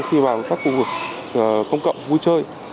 đi vào các khu vực công cộng vui chơi